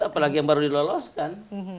apalagi yang baru diloloskan